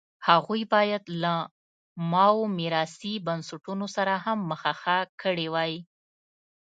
هغوی باید له ماوو میراثي بنسټونو سره هم مخه ښه کړې وای.